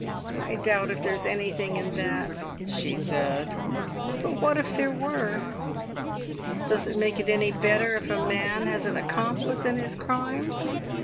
"I doubt if there's anything in that," she said; "but what if there were? Does it make it any better if a man has an accomplice in his crimes?